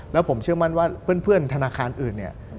แล้วผมเชื่อมั่นว่าเพื่อนธนาคารอื่นเนี่ย